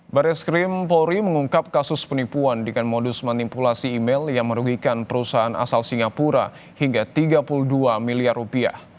baris krim polri mengungkap kasus penipuan dengan modus manipulasi email yang merugikan perusahaan asal singapura hingga tiga puluh dua miliar rupiah